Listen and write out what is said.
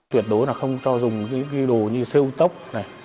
tuyệt đối là không cho dùng những cái đồ như sêu tốc này